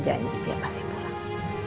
janji dia pasti pulang